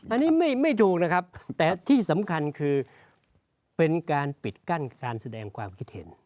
อันนี้ไม่ดูนะครับแต่ที่สำคัญคือเป็นการปิดกั้นการแสดงความคิดเห็น